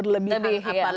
lebih mudah menjual mungkin